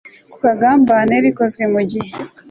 ku kagambane bikozwe mu gihe